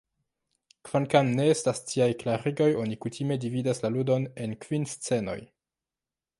Kvankam ne estas tiaj klarigoj oni kutime dividas la ludon en kvin scenoj.